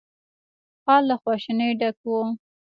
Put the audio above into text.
ښار له خواشينۍ ډک و.